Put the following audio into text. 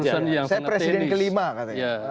saya presiden kelima katanya